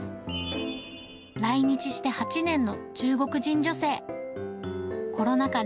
来日して８年の中国人女性。